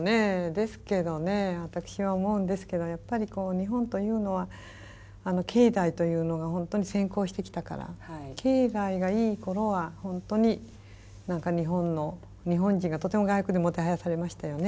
ですけどね私は思うんですけどやっぱり日本というのは経済というのが本当に先行してきたから経済がいい頃は本当に何か日本の日本人がとても外国でもてはやされましたよね。